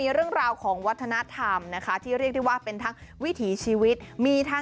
เรื่องราวของวัฒนธรรม